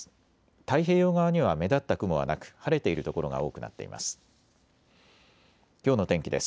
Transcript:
太平洋側には目立った雲はなく晴れている所が多くなっています。